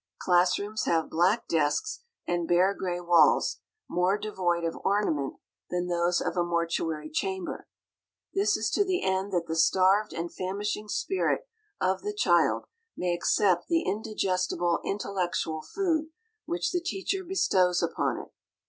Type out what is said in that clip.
Class rooms have black desks, and bare, gray walls, more devoid of ornament than those of a mortuary chamber; this is to the end that the starved and famishing spirit of the child may "accept" the indigestible intellectual food which the teacher bestows upon it.